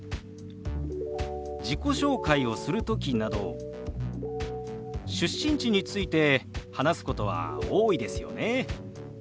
自己紹介をする時など出身地について話すことは多いですよね。